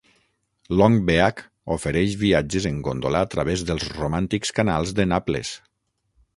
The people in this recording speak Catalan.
Long Beach ofereix viatges en góndola a través dels romàntics canals de Naples.